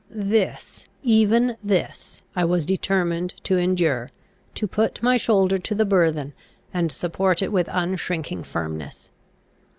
This, even this, I was determined to endure; to put my shoulder to the burthen, and support it with unshrinking firmness.